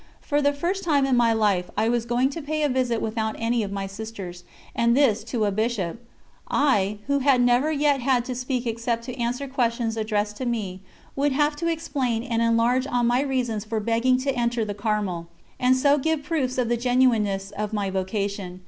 For the first time in my life, I was going to pay a visit without any of my sisters, and this to a Bishop. I, who had never yet had to speak except to answer questions addressed to me, would have to explain and enlarge on my reasons for begging to enter the Carmel, and so give proofs of the genuineness of my vocation.